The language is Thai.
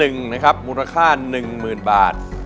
เพลงที่๑นะครับมูลค่า๑๐๐๐๐บาท